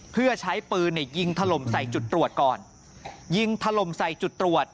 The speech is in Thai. เพื่อใช้ปืนเนี่ยยิงถล่มใส่จุดตรวจก่อนยิงถล่มใส่จุดตรวจ